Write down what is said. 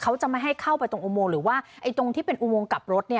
เขาจะไม่ให้เข้าไปตรงอุโมงหรือว่าตรงที่เป็นอุโมงกลับรถ